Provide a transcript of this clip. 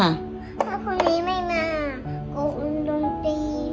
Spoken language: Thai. ถ้าพรุ่งนี้ไม่มาก็อุ่นตรงตี